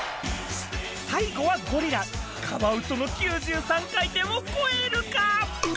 最後はゴリラカワウソの９３回転を超えるか？